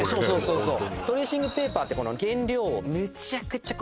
そうそう